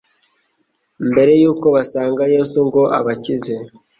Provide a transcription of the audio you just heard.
Mbere yuko basanga Yesu ngo abakize,